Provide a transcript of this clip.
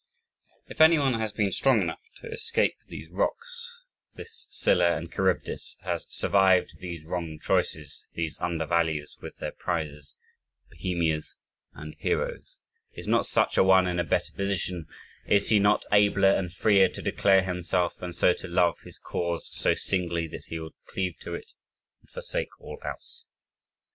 6 If anyone has been strong enough to escape these rocks this "Scylla and Charybdis," has survived these wrong choices, these under values with their prizes, Bohemias and heroes, is not such a one in a better position, is he not abler and freer to "declare himself and so to love his cause so singly that he will cleave to it, and forsake all else?